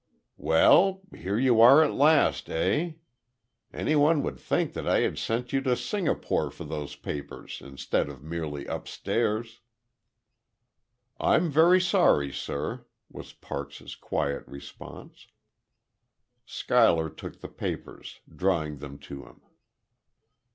"Well, here you are at last, eh? Anyone would think that I had sent you to Singapore for those papers instead of merely upstairs." "I'm very sorry, sir," was Parks' quiet response. Schuyler took the papers, drawing them to him.